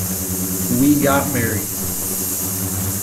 We got married.